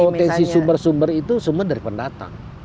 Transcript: potensi sumber sumber itu semua dari pendatang